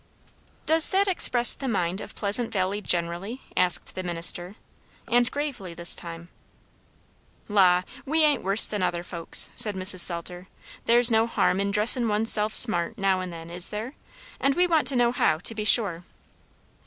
"Does that express the mind of Pleasant Valley generally?" asked the minister, and gravely this time. "La! we ain't worse than other folks," said Mrs. Salter. "There's no harm in dressin' one's self smart now and then, is there? And we want to know how, to be sure."